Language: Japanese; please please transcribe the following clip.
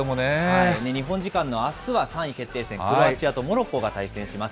日本時間のあすは３位決定戦、クロアチアとモロッコが対戦します。